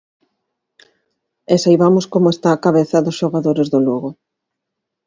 E saibamos como está a cabeza dos xogadores do Lugo.